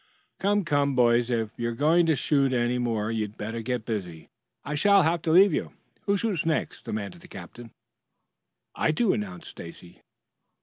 "Come, come, boys, if you are going to shoot any more you'd better get busy. I shall soon have to leave you. Who shoots next?" demanded the captain. "I do," announced Stacy.